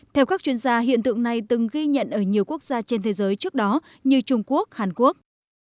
theo các chuyên gia hiện tượng này từng ghi nhận ở nhiều quốc gia trên thế giới trước đó như trung quốc hàn quốc